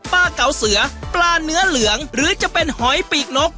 เก๋าเสือปลาเนื้อเหลืองหรือจะเป็นหอยปีกนก